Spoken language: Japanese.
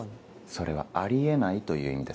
それはあり得ないという意味ですか？